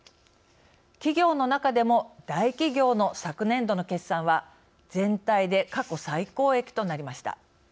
企業の中でも大企業の昨年度の決算は全体で過去最高益となりました。